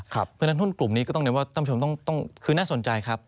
เพราะฉะนั้นหุ้นกลุ่มนี้ก็ต้องเหนือว่าคือน่าสนใจครับ